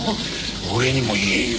俺にも言えんよ。